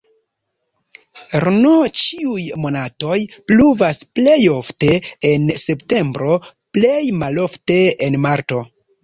Rn ĉiuj monatoj pluvas, plej ofte en septembro, plej malofte en marto.